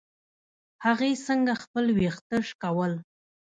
هغې څنګه خپل ويښته شکول.